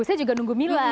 saya juga nunggu mila